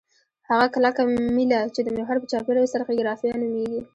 هغه کلکه میله چې د محور په چاپیره وڅرخیږي رافعه نومیږي.